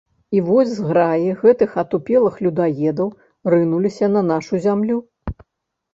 І вось зграі гэтых атупелых людаедаў рынуліся на нашу зямлю.